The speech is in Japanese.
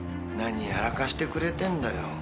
何やらかしてくれてんのよ？